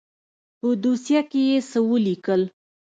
په دوسيه کښې يې څه وليکل.